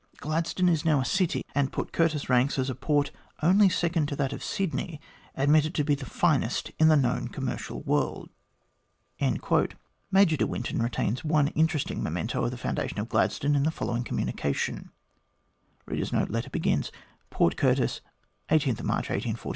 Gladstone is now a city, and Port Curtis ranks as a port only second to that of Sydney, admitted to be the finest in the known commercial world." Major de Winton retains one interesting memento of the foundation of Gladstone in the following communica tion : PORT CURTIS, March 18, 1847.